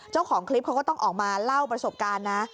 เจ้าของคลิปเขาก็ต้องออกมาเล่าประสบการณ์นะ